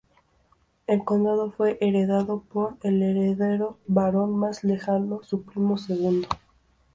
El condado fue heredado por el heredero varón más lejano, su primo segundo.